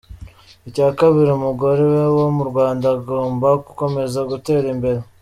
Icya kabiri, umugore wo mu Rwanda agomba gukomeza gutera imbere.